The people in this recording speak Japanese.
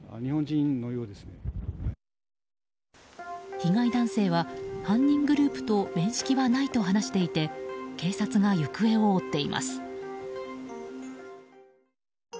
被害男性は犯人グループと面識はないと話していて警察が行方を追っています。